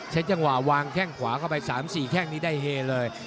จังหวะวางแข้งขวาเข้าไป๓๔แข้งนี้ได้เฮเลย